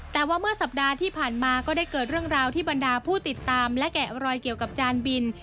แต่ว่าเมื่อสัปดาห์ที่ผ่านมาก็ได้เกิดเรื่องราวที่บรรดาผู้ติดตามและแกะรอยเกี่ยวกับจานบิน